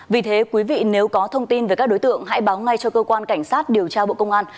vì thế quý vị nếu có thông tin về các đối tượng hãy báo ngay cho cơ quan cảnh sát điều tra bộ công an